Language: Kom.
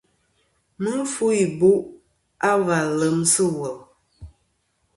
Mɨ fu ibu' a va lem sɨ̂ wul.